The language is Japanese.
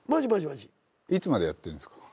いつまでやってんですか？